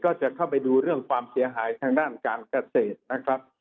จะเข้าไปดูเรื่องความเสียหายทางด้านการเกษตรนะครับ